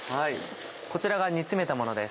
こちらが煮つめたものです。